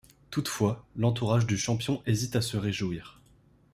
Toutefois, l'entourage du champion hésite à se réjouir.